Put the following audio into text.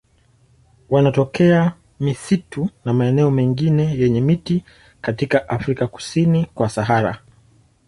Wanatokea misitu na maeneo mengine yenye miti katika Afrika kusini kwa Sahara.